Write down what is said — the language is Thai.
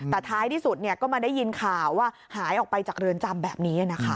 แต่ท้ายที่สุดก็มาได้ยินข่าวว่าหายออกไปจากเรือนจำแบบนี้นะคะ